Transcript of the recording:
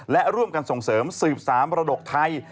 และร่วมกันส่งเสริมสืบสามมรดกไทย